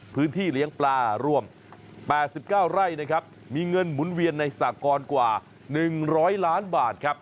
พื้นที่เลี้ยงปลาร่วม๘๙ไร่นะครับมีเงินหมุนเวียนในสากรกว่า๑๐๐ล้านบาทครับ